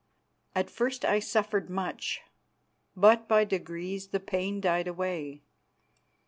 At first I suffered much, but by degrees the pain died away.